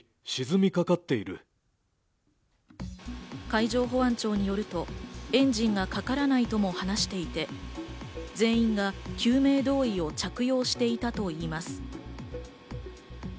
海上保安庁によると、エンジンがかからないとも話していて、全員が救命胴衣を着用していたといいます。